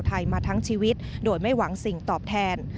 พระองค์นิกรชาวไทยมาทั้งชีวิตโดยไม่หวังสิ่งตอบแทน